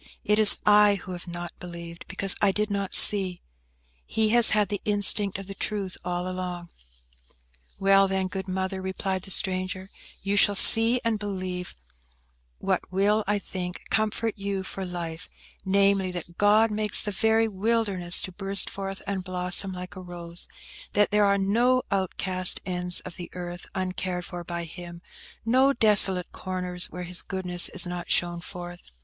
It is I who have not believed, because I did not see. He has had the instinct of the truth all along." "Well, then, good Mother," replied the stranger, "you shall see and believe what will, I think, comfort you for life–namely, that God makes the very wilderness to burst forth and blossom like a rose: that there are no outcast ends of the earth, uncared for by Him; no desolate corners where His goodness is not shown forth."